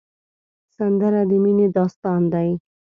سندره د مینې داستان دی